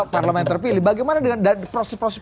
parlemen terpilih bagaimana dengan proses proses